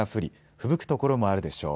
ふぶく所もあるでしょう。